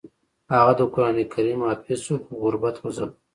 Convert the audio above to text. هغه د قران کریم حافظ شو خو غربت وځاپه